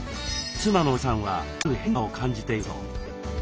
妻の悠加さんはある変化を感じているそう。